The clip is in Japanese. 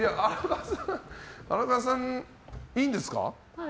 荒川さん、いいんですか？